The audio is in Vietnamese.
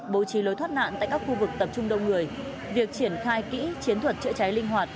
bố trí lối thoát nạn tại các khu vực tập trung đông người việc triển khai kỹ chiến thuật chữa cháy linh hoạt